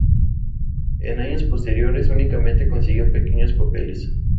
En años posteriores únicamente consiguió pequeños papeles.